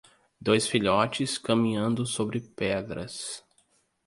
Dois filhotes caminhando sobre pedras.